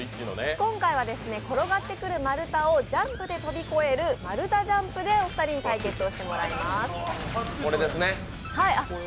今回はですね、転がってくる丸太をジャンプで飛び越える丸太ジャンプでお二人に対決してもらいます。